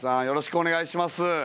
よろしくお願いします